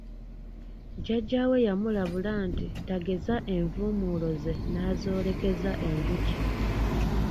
Jajja we yamulabula nti tageza envumuulo ze n’azoolekeza enjuki.